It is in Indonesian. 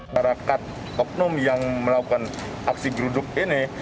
para kat opnum yang melakukan aksi geruduk ini